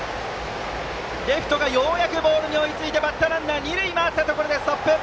レフトがようやくボールに追いついてバッターランナー二塁を回ったところでストップ。